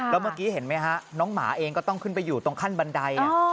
แล้วเมื่อกี้เห็นไหมฮะน้องหมาเองก็ต้องขึ้นไปอยู่ตรงขั้นบันได